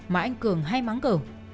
mà anh cường hay mắng cửu